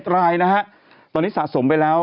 รายนะฮะตอนนี้สะสมไปแล้ว